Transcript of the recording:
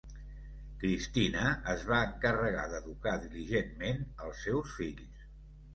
Cristina es va encarregar d'educar diligentment els seus fills.